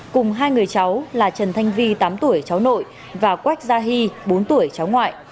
cùng hai người cháu là trần thanh vi tám tuổi cháu nội và quách gia hy bốn tuổi cháu ngoại